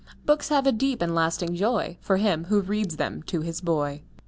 Books have a deep and lasting joy For him who reads them to his boy.